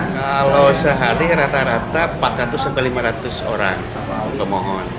kalau sehari rata rata empat ratus lima ratus orang pemohon